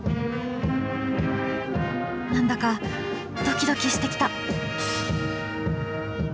何だかドキドキしてきた。